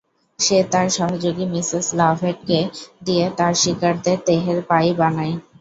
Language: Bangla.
সে তার সহযোগী মিসেস লাভেট-কে দিয়ে তার শিকারদের দেহের পাই বানায়।